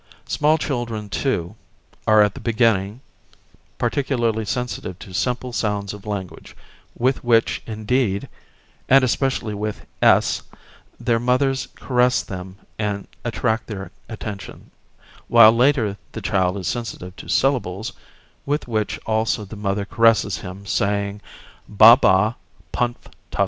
Small children, too, are, at the beginning, particularly sensitive to simple sounds of language, with which indeed, and especially with s, their mothers caress them and attract their attention; while later the child is sensitive to syllables, with which also the mother caresses him, saying: "ba, ba, punf, tuf!